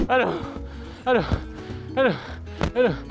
aduh aduh aduh aduh